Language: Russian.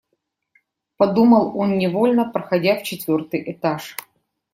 Подумал он невольно, проходя в четвертый этаж.